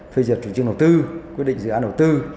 phê duyệt chủ trương đầu tư quyết định dự án đầu tư